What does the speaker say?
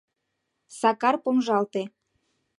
Сакар помыжалте.